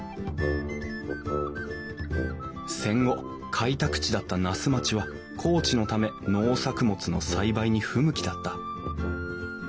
戦後開拓地だった那須町は高地のため農作物の栽培に不向きだった。